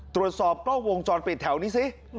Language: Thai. ตรวจสอบกล้องวงจรปิดแถวนี้สิ